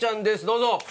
どうぞ。